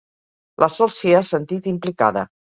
La Sol s'hi ha sentit implicada.